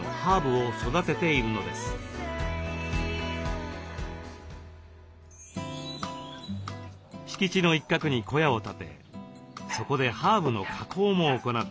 敷地の一角に小屋を建てそこでハーブの加工も行っています。